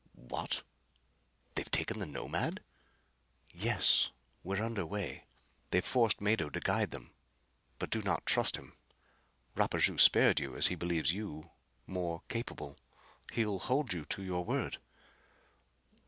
"What? They've taken the Nomad?" "Yes. We're under way. They've forced Mado to guide them but do not trust him. Rapaju spared you as he believes you more capable. He'll hold you to your word."